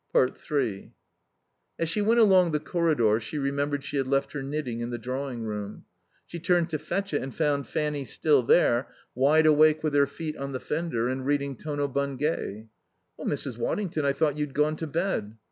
3 As she went along the corridor she remembered she had left her knitting in the drawing room. She turned to fetch it and found Fanny still there, wide awake with her feet on the fender, and reading "Tono Bungay." "Oh, Mrs. Waddington, I thought you'd gone to bed."